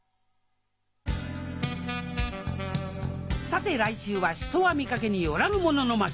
☎さて来週は「人は見かけによらぬもの？」の巻。